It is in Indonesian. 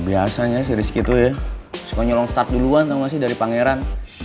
biasanya sih rizky tuh ya suka nyolong start duluan tau nggak sih dari pangeran